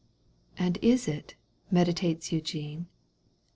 And is it," meditates Eugene.